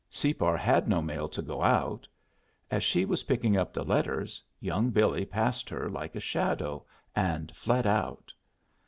Separ had no mail to go out. As she was picking up the letters young Billy passed her like a shadow, and fled out.